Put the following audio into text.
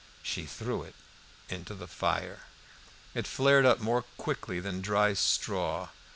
She threw it into the fire. It flared up more quickly than dry straw.